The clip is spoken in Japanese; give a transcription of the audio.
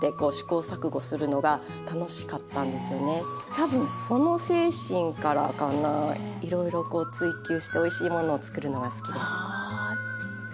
多分その精神からかなあいろいろこう追求しておいしいものを作るのが好きです。